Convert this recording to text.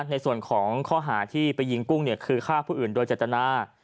ในส่วนของข้อหาที่ไปยิงกุ้งคือฆ่าผู้อื่นโดยเจตนา